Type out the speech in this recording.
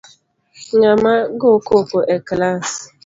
Ng’ama go koko e klass